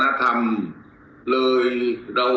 ขอบคุณทุกคน